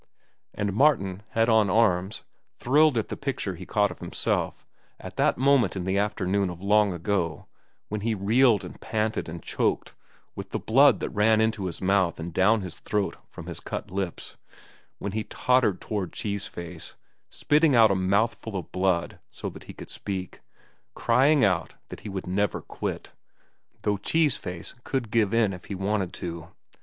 And Martin, head on arms, thrilled at the picture he caught of himself, at that moment in the afternoon of long ago, when he reeled and panted and choked with the blood that ran into his mouth and down his throat from his cut lips; when he tottered toward Cheese Face, spitting out a mouthful of blood so that he could speak, crying out that he would never quit, though Cheese Face could give in if he wanted to.